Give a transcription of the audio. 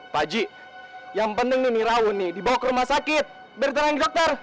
pak gi yang penting nih raul nih dibawa ke rumah sakit beritahunya dokter